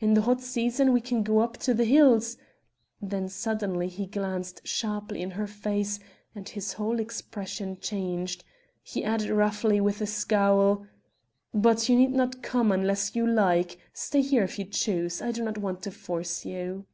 In the hot season we can go up to the hills " then suddenly he glanced sharply in her face and his whole expression changed; he added roughly, with a scowl: "but you need not come unless you like stay here if you choose I do not want to force you."